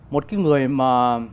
một cái người mà